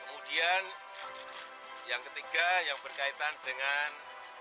kemudian yang ketiga yang berkaitan dengan